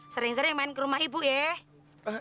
sering sering main ke rumah ibu ya